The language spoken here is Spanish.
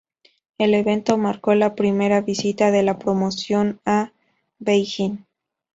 El evento marcó la primera visita de la promoción a Beijing.